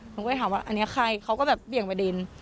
หนูก็เลยถามว่าอันนี้ใครเขาก็แบบเบี่ยงประเด็น